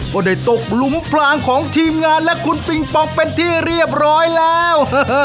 ก็ได้ตกหลุมพลางของทีมงานและคุณปิงปองเป็นที่เรียบร้อยแล้ว